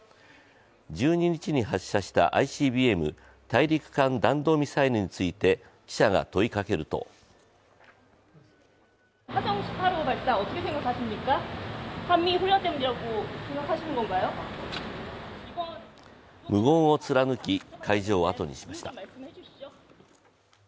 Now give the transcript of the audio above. １２日に発射したしたＩＣＢＭ＝大陸間弾道ミサイルについて記者が問いかけると無言を貫き会場をあとにしました。